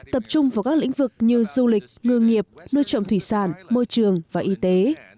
tập trung vào các lĩnh vực như du lịch ngư nghiệp nuôi trồng thủy sản môi trường và y tế